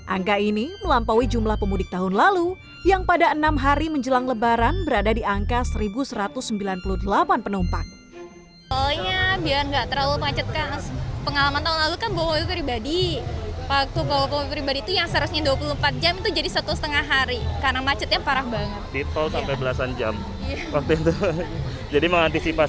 angka ini melampaui jumlah pemudik tahun lalu yang pada enam hari menjelang lebaran berada di angka satu satu ratus sembilan puluh delapan penumpang